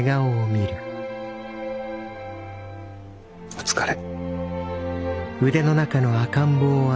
お疲れ。